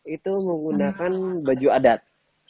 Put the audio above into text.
itu menggunakan baju adat